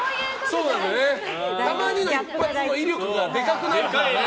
たまにの一発の威力がでかくなるからね。